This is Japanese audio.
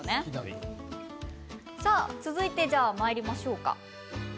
さあ続いてまいりましょうか。